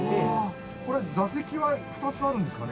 これ座席は２つあるんですかね？